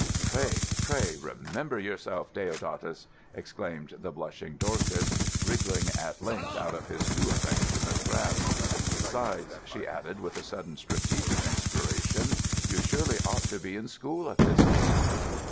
"Pray, pray remember yourself, Deodatus!" exclaimed the blushing Dorcas, wriggling, at length, out of his too affectionate grasp. "Besides," she added with a sudden strategic inspiration, "you surely ought to be in school at this time."